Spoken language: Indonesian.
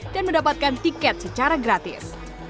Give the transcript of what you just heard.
dan mendapatkan tiket secara gratis